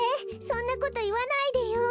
そんなこといわないでよ！